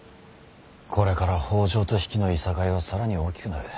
これから北条と比企のいさかいは更に大きくなる。